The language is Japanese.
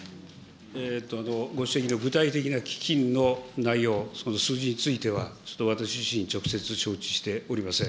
ご指摘の具体的な基金の内容、その数字については、ちょっと私自身、直接承知しておりません。